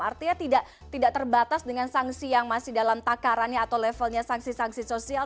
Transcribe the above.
artinya tidak terbatas dengan sanksi yang masih dalam takarannya atau levelnya sanksi sanksi sosial